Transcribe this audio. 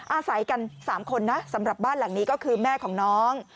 อาศัยกัน๓คนนะสำหรับบ้านหลังนี้ก็คือแม่ของน้อง